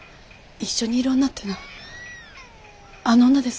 一緒にいる女ってのはあの女ですか？